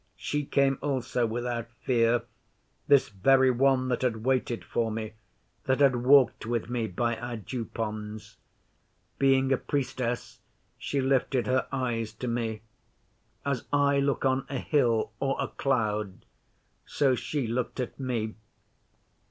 She came also without fear this very one that had waited for me, that had talked with me, by our Dew ponds. Being a Priestess, she lifted her eyes to me. As I look on a hill or a cloud, so she looked at me.